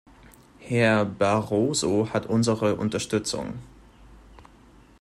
Herr Barroso hat unsere Unterstützung.